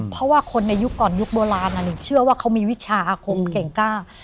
เพราะว่าคนในยุคก่อนยุคโบราณหนึ่งเชื่อว่าเขามีวิชาอาคมเก่งกล้า